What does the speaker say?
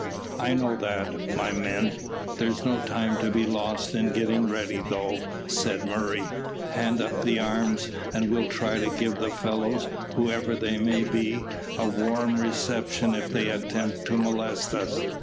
"I know that, my men; there's no time to be lost in getting ready though," said Murray. "Hand up the arms, and we'll try to give the fellows, whoever they may be, a warm reception if they attempt to molest us."